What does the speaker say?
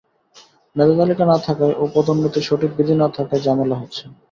মেধাতালিকা না থাকায় ও পদোন্নতির সঠিক বিধি না থাকায় ঝামেলা হচ্ছে।